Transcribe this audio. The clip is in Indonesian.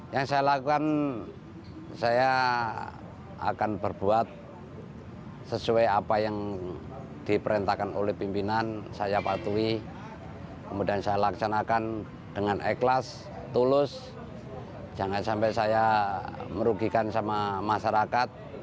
yang saya lakukan saya akan berbuat sesuai apa yang diperintahkan oleh pimpinan saya patuhi kemudian saya laksanakan dengan ikhlas tulus jangan sampai saya merugikan sama masyarakat